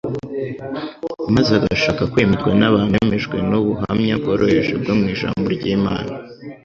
maze agashaka kwemerwa n'abantu bemejwe n'ubuhamva bworoheje bwo mu Ijambo ry'Imana.